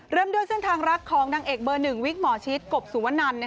เริ่มด้วยเส้นทางรักของนางเอกเบอร์๑วิกหมอชิดกบสุวนัน